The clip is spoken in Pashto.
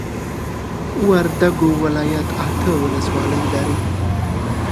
وردوګو ولايت اته ولسوالۍ لري